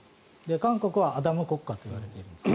韓国はアダム国家といわれているんです。